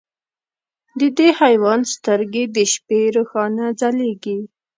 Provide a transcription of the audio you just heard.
د دې حیوان سترګې د شپې روښانه ځلېږي.